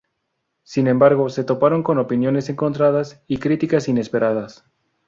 Sin embargo, se toparon con opiniones encontradas y críticas inesperadas.